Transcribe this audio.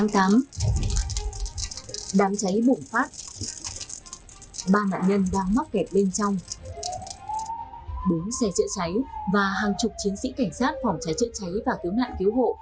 trong vụ việc này hình ảnh một chiến sĩ cảnh sát phòng cháy chữa cháy và cứu nạn cứu hộ